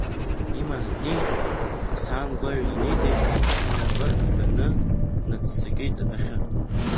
Иманы днеин, асаан гәаҩа инаниҵеит, инапы рбаны днаццакит адәахьы.